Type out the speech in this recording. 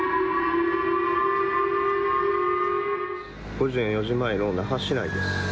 午前４時前の那覇市内です。